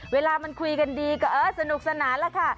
เวลามันคุยกันดีก็เออสนุกสนานแล้วค่ะ